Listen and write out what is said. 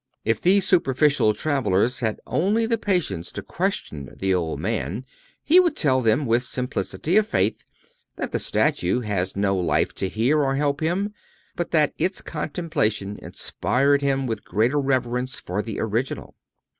If these superficial travelers had only the patience to question the old man he would tell them, with simplicity of faith, that the statue had no life to hear or help him, but that its contemplation inspired him with greater reverence for the original.